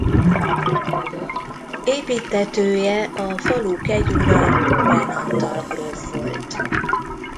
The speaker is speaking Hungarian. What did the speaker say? Építtetője a falu kegyura Khuen Antal gróf volt.